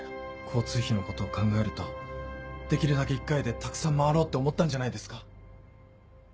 交通費のことを考えるとできるだけ一回でたくさん回ろうって思ったんじゃないですか？